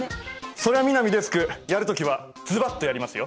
そりゃ南デスクやる時はズバッとやりますよ。